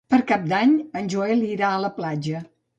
Per Cap d'Any en Joel irà a la platja.